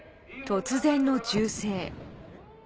突然の銃声。